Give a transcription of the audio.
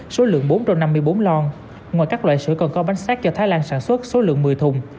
số lượng bốn trăm năm mươi bốn lon ngoài các loại sữa còn có bánh xác cho thái lan sản xuất số lượng một mươi thùng